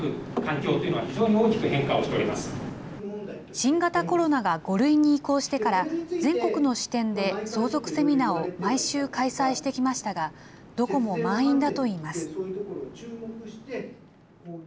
新型コロナが５類に移行してから、全国の支店で相続セミナーを毎週開催してきましたが、どこも満員だといいます。